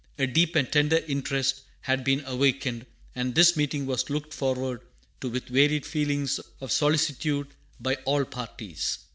A deep and tender interest had been awakened; and this meeting was looked forward to with varied feelings of solicitude by all parties.